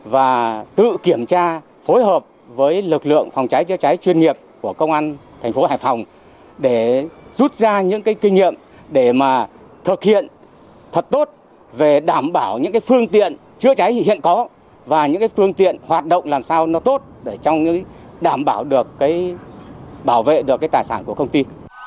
và tự kiểm tra phối hợp với lực lượng phòng cháy chữa cháy chuyên nghiệp của công an thành phố hải phòng để rút ra những kinh nghiệm để thực hiện thật tốt về đảm bảo những phương tiện chữa cháy hiện có và những phương tiện hoạt động làm sao nó tốt để đảm bảo được bảo vệ được tài sản của công ty